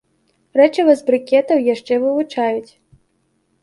Рэчыва з брыкетаў яшчэ вывучаюць.